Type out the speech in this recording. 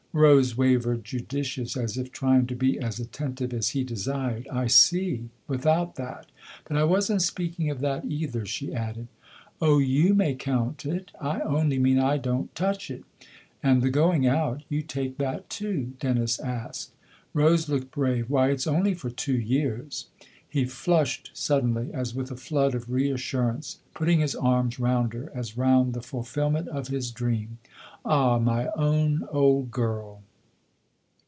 Rose wavered, judicious, as if trying to be as attentive as he desired. " I see without that. But I wasn't speaking of that either," she added. " Oh, you may count it I only mean I don't touch it. And the going out you take that too ?" Dennis asked. Rose looked brave. "Why it's only for two years." He flushed suddenly, as with a flood of reassur ance, putting his arms round her as round the fulfilment of his dream. " Ah, my own old girl